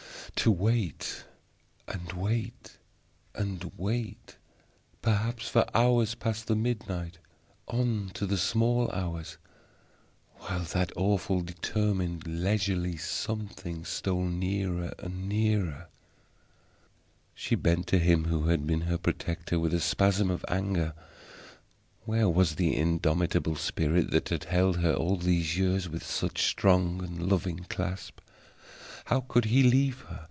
To wait and wait and wait perhaps for hours past the midnight on to the small hours while that awful, determined, leisurely Something stole nearer and nearer. She bent to him who had been her protector with a spasm of anger. Where was the indomitable spirit that had held her all these years with such strong and loving clasp? How could he leave her?